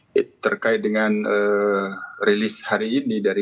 nah terkait dengan rilis hari ini